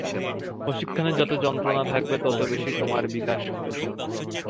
প্রশিক্ষণে যত যন্ত্রণা থাকবে, তত বেশি তোমার বিকাশ হবে।